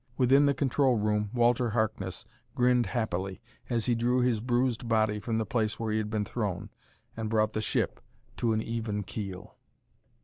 Within the control room Walter Harkness grinned happily as he drew his bruised body from the place where he had been thrown, and brought the ship to an even keel.